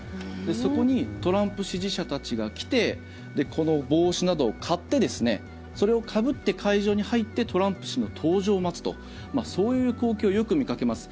そこにトランプ支持者たちが来てこの帽子などを買ってそれをかぶって会場に入ってトランプ氏の登場を待つとそういう光景をよく見かけます。